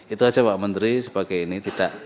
itu saja pak menteri sebagai ini tidak